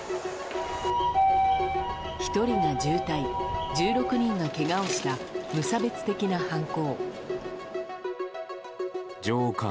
１人が重体、１６人がけがをした無差別的な犯行。